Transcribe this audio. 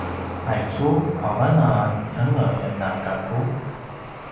aicu avan a cengelj na gaku?